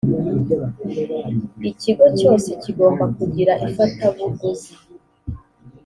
ikigo cyose kigomba kugira ifatabuguzi.